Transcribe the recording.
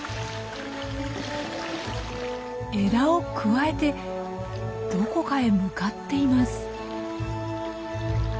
枝をくわえてどこかへ向かっています。